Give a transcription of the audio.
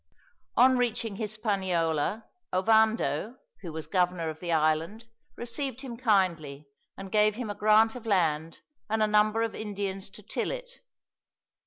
On reaching Hispaniola Ovando, who was governor of the island, received him kindly, and gave him a grant of land and a number of Indians to till it.